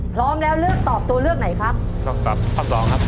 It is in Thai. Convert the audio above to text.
พร้อมแล้วเลือกตอบตัวเลือกไหนครับต้องตอบข้อสองครับ